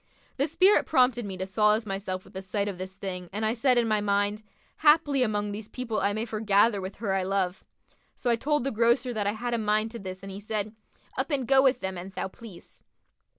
The spirit prompted me to solace myself with the sight of this thing and I said in my mind, 'Haply among these people I may foregather with her I love.' So I told the grocer that I had a mind to this and he said, 'Up and go with them an thou please.'